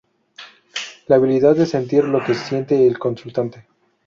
La habilidad de sentir lo que siente el Consultante.